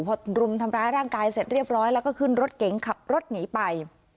พอรุมทำร้ายร่างกายเสร็จเรียบร้อยแล้วก็ขึ้นรถเก๋งขับรถหนีไป